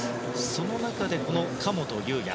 その中で神本雄也。